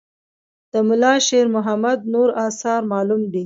د ملا شیر محمد نور آثار معلوم دي.